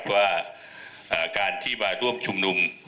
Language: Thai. ว่าการที่มาร่วมชุมนุม